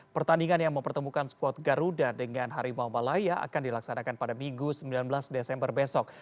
pertandingan yang mempertemukan skuad garuda dengan harimau malaya akan dilaksanakan pada minggu sembilan belas desember besok